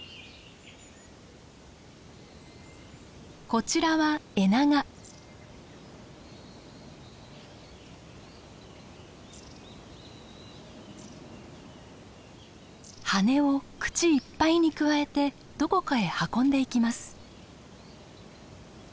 こちらは羽根を口いっぱいにくわえてどこかへ運んでいきます。